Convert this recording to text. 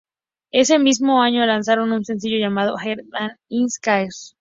Ese mismo año lanzaron un sencillo llamado "Her Name Is Caos".